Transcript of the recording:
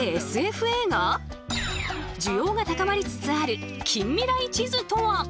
需要が高まりつつある近未来地図とは！？